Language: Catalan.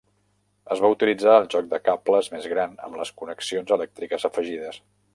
Es va utilitzar el joc de cables més gran amb les connexions elèctriques afegides.